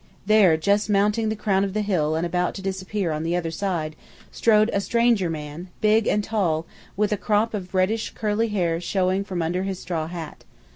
There, just mounting the crown of the hill and about to disappear on the other side, strode a stranger man, big and tall, with a crop of reddish curly hair showing from under his straw hat.